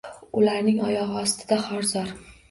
Ularning oyog’i ostida xor-zor